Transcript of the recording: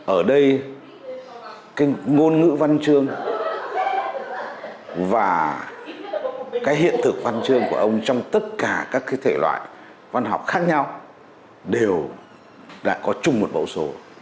ở đây cái ngôn ngữ văn chương và cái hiện thực văn chương của ông trong tất cả các cái thể loại văn học khác nhau đều đã có chung một mẫu số